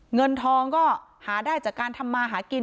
เงินทองก็หาได้จากการทำมาหากิน